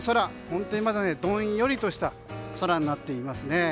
本当にまだ、どんよりとした空になっていますね。